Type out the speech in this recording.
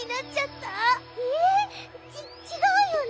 ええっ？ちちがうよね？